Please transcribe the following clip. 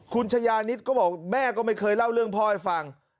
คุณชายานิดก็บอกแม่ก็ไม่เคยเล่าเรื่องพ่อให้ฟัง